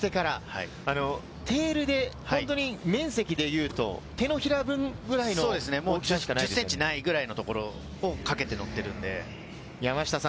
テールで、面積でいうと、手のひら分くらいの、１０ｃｍないくらいのところをかけて乗っているんで。